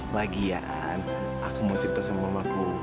bahagiaan aku mau cerita sama mamaku